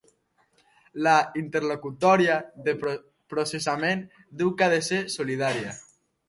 La interlocutòria de processament diu que ha de ser ‘solidària’.